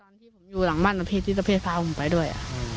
ตอนที่ผมอยู่หลังบ้านอเภทที่อเภทพาผมไปด้วย